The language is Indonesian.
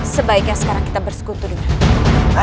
sebaiknya sekarang kita bersekutu dengan baik